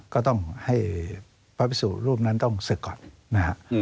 ก็ต้องให้พระพิสูจน์รูปนั้นต้องศึกก่อน